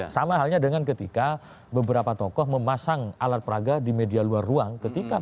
sama halnya dengan ketika beberapa tokoh memasang alat peraga di media luar ruangan